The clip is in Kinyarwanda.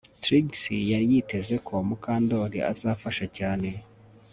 Trix yari yiteze ko Mukandoli azafasha cyane